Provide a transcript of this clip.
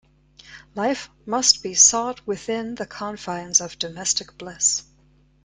Life must must be sought within the confines of domestic bliss.